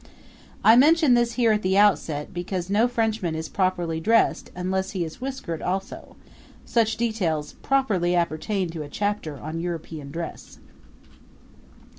I mention this here at the outset because no Frenchman is properly dressed unless he is whiskered also; such details properly appertain to a chapter on European dress.